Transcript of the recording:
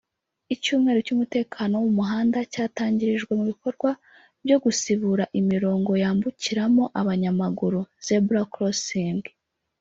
Icyumweru cy'umutekano wo mu muhanda cyatangirijwe mu bikorwa byo gusibura imirongo yambukiramo abanyamaguru (Zebra crossing)